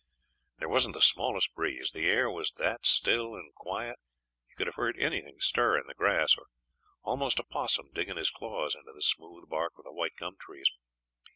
There wasn't the smallest breeze. The air was that still and quiet you could have heard anything stir in the grass, or almost a 'possum digging his claws into the smooth bark of the white gum trees.